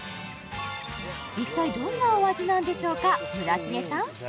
一体どんなお味なんでしょうか村重さん？